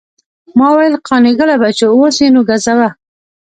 ما ویل قانع ګله بچو اوس یې نو ګزوه.